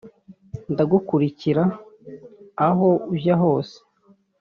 Ndagukurikira aho ujya hose